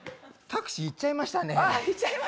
タクシー行っちゃいましたね。